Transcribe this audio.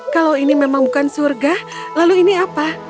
kalau ini memang bukan surga lalu ini apa